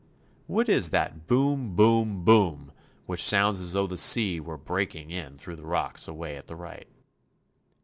What is that boom, boom, boom which sounds as though the sea were breaking in through the rocks away at the right